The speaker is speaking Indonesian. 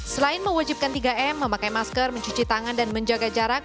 selain mewajibkan tiga m memakai masker mencuci tangan dan menjaga jarak